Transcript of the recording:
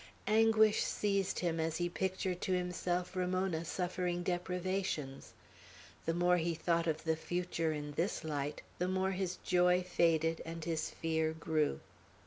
Anguish seized him as he pictured to himself Ramona suffering deprivations. The more he thought of the future in this light, the more his joy faded and his fear grew.